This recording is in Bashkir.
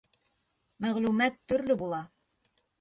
Мәғлүмәт төрлө була.